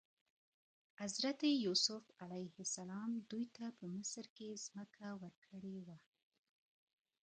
حضرت یوسف علیه السلام دوی ته په مصر کې ځمکه ورکړې وه.